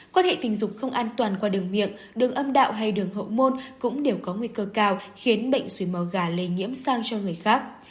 quan hệ tình dục không an toàn qua đường miệng đường âm đạo hay đường hậu môn cũng đều có nguy cơ cao khiến bệnh xuy màu gà lây nhiễm sang cho người khác